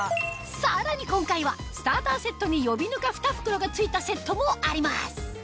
さらに今回はスターターセットに予備ぬか２袋が付いたセットもあります